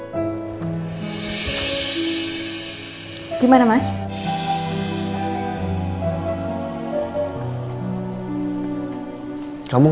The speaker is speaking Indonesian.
ya kan kamu keluar